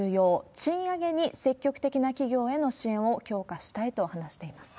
賃上げに積極的な企業への支援を強化したいと話しています。